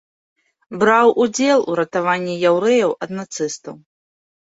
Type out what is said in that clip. Браў удзел у ратаванні яўрэяў ад нацыстаў.